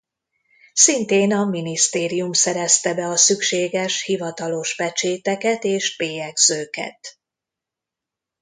Szintén a minisztérium szerezte be a szükséges hivatalos pecséteket és bélyegzőket.